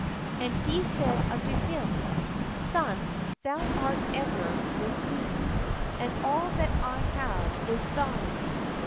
And he said unto him :" Son, thou art ever with me, and all that I have is thine.